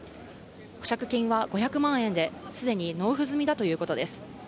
保釈金は５００万円で、すでに納付済みだということです。